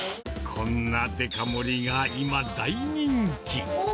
こんなデカ盛りが今、大人気。